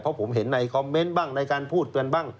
เพราะผมเห็นในคอมเมนต์บ้างในการพูดกันบ้าง